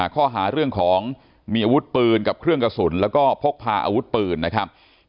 ข้อหาเรื่องของมีอาวุธปืนกับเครื่องกระสุนแล้วก็พกพาอาวุธปืนนะครับ